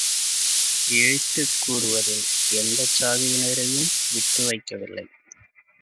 இழித்துக் கூறுவதில் எந்தச் சாதியினரையும் விட்டு வைக்கவில்லை.